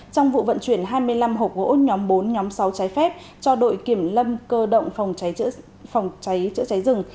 trong vụ vận chuyển hai mươi năm hộp gỗ nhóm bốn nhóm sáu trái phép cho đội kiểm lâm cơ động phòng cháy chữa cháy rừng